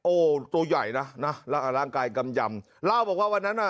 ตัวใหญ่นะนะร่างกายกำยำเล่าบอกว่าวันนั้นอ่ะ